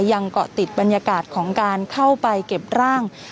ยังเกาะติดบรรยากาศของการเข้าไปเก็บร่าง